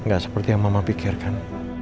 gak seperti yang mama pikirkan